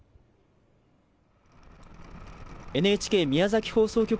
ＮＨＫ宮崎放送局